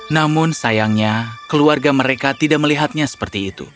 namun sayangnya keluarga mereka tidak melihatnya seperti itu